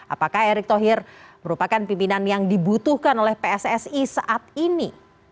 apakah erick thohir merupakan pimpinan yang dibutuhkan oleh pssi saat ini